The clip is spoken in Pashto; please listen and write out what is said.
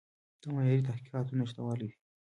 د معیاري تحقیقاتو نشتوالی دی.